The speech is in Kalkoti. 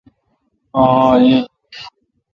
آں آ ۔این